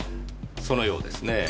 そのようですねぇ。